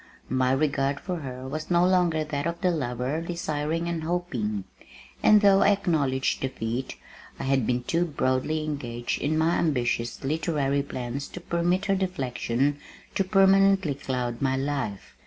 My regard for her was no longer that of the lover desiring and hoping, and though I acknowledged defeat I had been too broadly engaged in my ambitious literary plans to permit her deflection to permanently cloud my life.